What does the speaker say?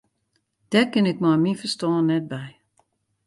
Dêr kin ik mei myn ferstân net by.